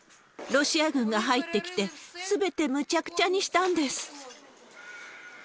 ロシア軍が入ってきて、すべてむちゃくちゃにしたんです。